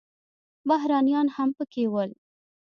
بهرنیان هم پکې وو.